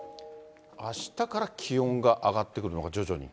あしたから気温が上がってくるのか、徐々に。